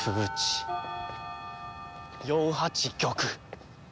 ４八玉。